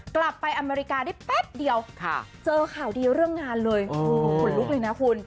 กลับไปอเมริกาได้แป๊บเดียวเจอข่าวดีเรื่องงานเลยขนลุกเลยนะคุณ